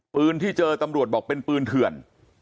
ปืนที่เจอตำรวจบอกเป็นปืนเถื่อน